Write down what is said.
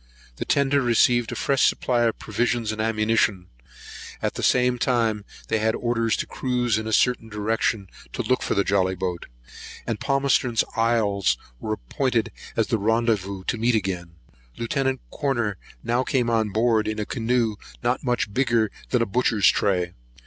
The tender received a fresh supply of provisions and ammunition; at the same time they had orders to cruise in a certain direction, to look for the jolly boat; and Palmerston's Isles was appointed as a rendezvous to meet again. Lieut. Corner now came on board, in a canoe not much bigger than a butcher's tray.